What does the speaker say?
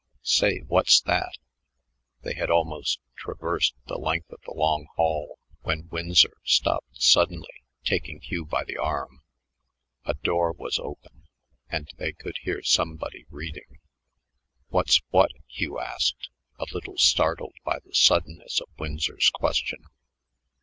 Say, what's that?" They had almost traversed the length of the long hall when Winsor stopped suddenly, taking Hugh by the arm. A door was open, and they could hear somebody reading. "What's what?" Hugh asked, a little startled by the suddenness of Winsor's question.